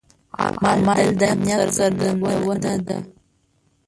عمل د نیت څرګندونه ده.